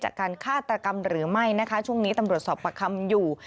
การฆาตกรรมหรือไม่นะคะช่วงนี้ตำรวจสอบประคำอยู่